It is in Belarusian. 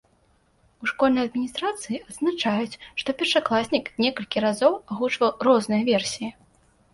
У школьнай адміністрацыі адзначаюць, што першакласнік некалькі разоў агучваў розныя версіі.